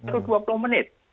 baru dua puluh menit